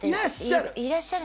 いらっしゃる。